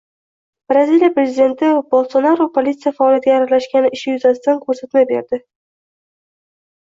Braziliya prezidenti Bolsonaru politsiya faoliyatiga aralashgani ishi yuzasidan ko‘rsatma berdi